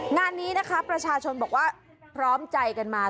งานนี้นะคะประชาชนบอกว่าพร้อมใจกันมา